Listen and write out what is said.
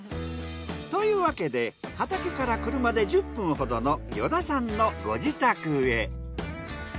というわけで畑から車で１０分ほどの依田さんのご自宅へ。